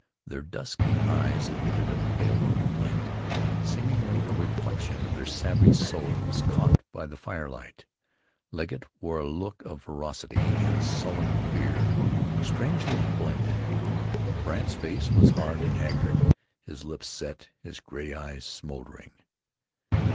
Their dusky eyes emitted a baleful glint, seemingly a reflection of their savage souls caught by the firelight. Legget wore a look of ferocity and sullen fear strangely blended. Brandt's face was hard and haggard, his lips set, his gray eyes smoldering.